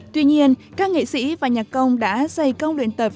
tuy nhiên các nghệ sĩ và nhạc công đã dày công luyện tập